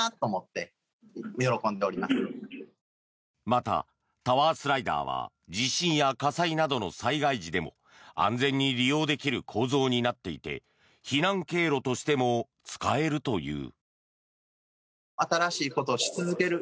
また、タワースライダーは地震や火災などの災害時でも安全に利用できる構造になっていて避難経路としても使えるという。